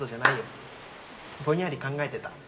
ぼんやり考えてた。